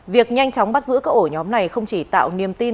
việc nhanh chóng bắt giữ các ổ nhóm này không chỉ tạo niềm tin